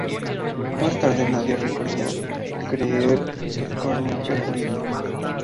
Más tarde Nadia recordó creer que Conner era "lindo.